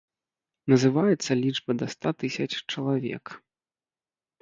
Называецца лічба да ста тысяч чалавек.